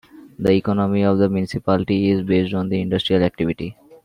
The economy of the municipality is based on the industrial activity.